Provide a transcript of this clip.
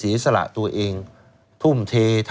คุณนิวจดไว้หมื่นบาทต่อเดือนมีค่าเสี่ยงให้ด้วย